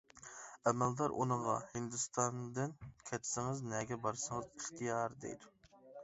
ئەمەلدار ئۇنىڭغا: ھىندىستاندىن كەتسىڭىز، نەگە بارسىڭىز ئىختىيار، دەيدۇ.